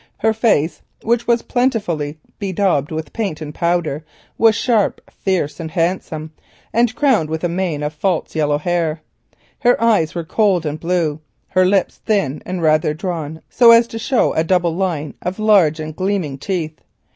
Her face, which was plentifully bedaubed with paint and powder, was sharp, fierce, and handsome, and crowned with a mane of false yellow hair. Her eyes were cold and blue, her lips thin and rather drawn, so as to show a double line of large and gleaming teeth.